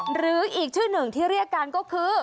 หรืออีกชื่อหนึ่งที่เรียกกันก็คือ